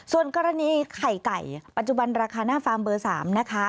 ส่วนกรณีไข่ไก่ปัจจุบันราคาหน้าฟาร์มเบอร์๓นะคะ